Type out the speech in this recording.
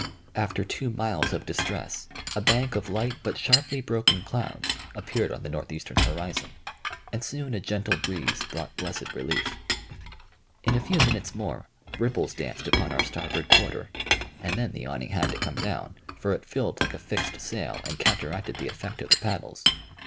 After two miles of distress, a bank of light but sharply broken clouds appeared on the northeastern horizon, and soon a gentle breeze brought blessed relief. In a few minutes more, ripples danced upon our starboard quarter, and then the awning had to come down, for it filled like a fixed sail and counteracted the effect of the paddles.